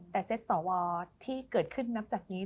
แต่เซ็ตสวที่เกิดขึ้นนับจากนี้